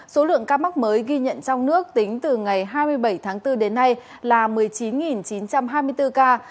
số lượng ca mắc mới ghi nhận trong nước tính từ ngày hai mươi bảy tháng bốn đến nay là một mươi chín chín trăm hai mươi bốn ca